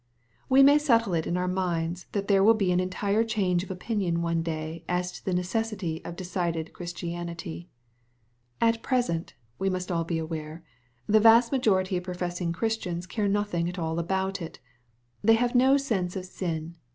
We may settle it in our minds, that there wiU be an entire change of opinion one day as to the necessity of decided Christianity. At present, we must all be aware, the vast majority of professing Christians care nothing at all about it. They have no sense of sin.